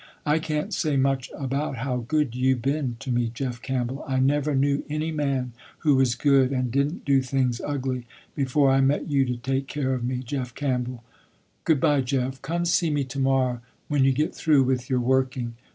I can't say much about how good you been to me, Jeff Campbell, I never knew any man who was good and didn't do things ugly, before I met you to take care of me, Jeff Campbell. Good by, Jeff, come see me to morrow, when you get through with your working."